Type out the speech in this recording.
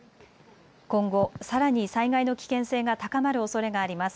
今後、さらに災害の危険性が高まるおそれがあります。